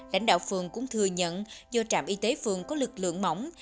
lãnh đạo phường cũng thừa nhận do trạm y tế phường có lực lượng mỏng